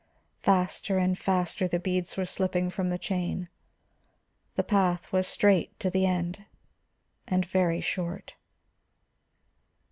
Faster and faster the beads were slipping from the chain; the path was straight to the end and very short.